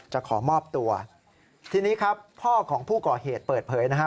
จะขอมอบตัวทีนี้ครับพ่อของผู้ก่อเหตุเปิดเผยนะฮะ